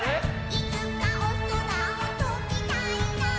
「いつかおそらをとびたいな」